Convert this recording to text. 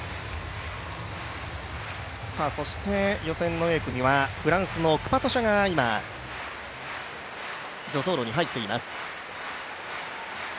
そして予選のＡ組はフランスのクパトシャが今、助走路に入っています。